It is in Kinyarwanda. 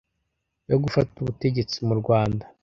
yo gufata ubutegetsi mu Rwanda